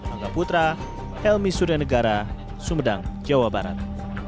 angga putra helmi suryanegara sumedang jawa barat